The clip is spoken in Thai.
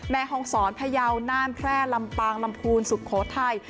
ฮองศรพยาวน่านแพร่ลำปางลำพูนสุโขทัย